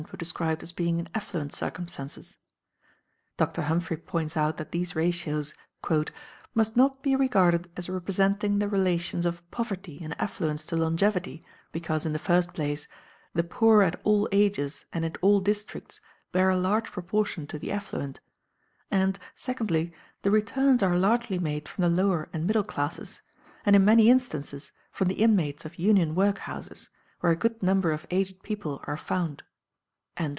were described as being in affluent circumstances. Dr. Humphry points out that these ratios "must not be regarded as representing the relations of poverty and affluence to longevity, because, in the first place, the poor at all ages and in all districts bear a large proportion to the affluent; and, secondly, the returns are largely made from the lower and middle classes, and in many instances from the inmates of union work houses, where a good number of aged people are found."